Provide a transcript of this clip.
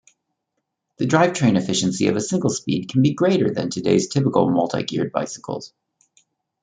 The drivetrain efficiency of a single-speed can be greater than today's typical multi-geared bicycles.